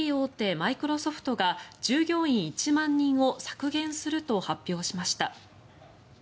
マイクロソフトが従業員１万人を削減すると発表しました。